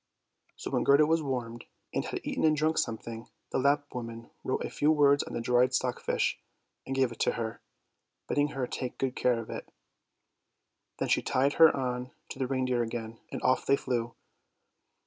So when Gerda was warmed, and had eaten and drunk some thing, the Lapp woman wrote a few words on a dried stock fish and gave it to her, bidding her take good care of it. Then she tied her on to the reindeer again, and off they flew.